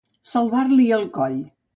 Salvar-li el coll.